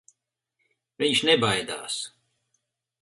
Viņš nebaidās.